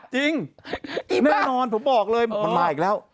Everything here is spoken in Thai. จริงสิบ้าแน่นอนมันมาอีกแล้ว